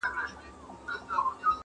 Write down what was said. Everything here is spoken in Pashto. تاته هم یو زر دیناره درکومه.